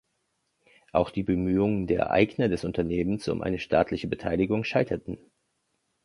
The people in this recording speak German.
Auch die Bemühungen der Eigner des Unternehmens um eine staatliche Beteiligung scheiterten.